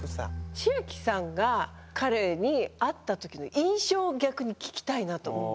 千明さんが彼に会った時の印象を逆に聞きたいなと思って。